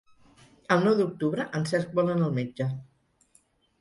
El nou d'octubre en Cesc vol anar al metge.